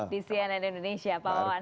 di cnn indonesia pak wawan